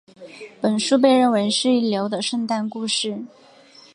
本书被认为是一流的圣诞故事。